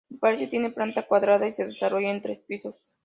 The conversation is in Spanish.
El palacio tiene planta cuadrada y se desarrolla en tres pisos.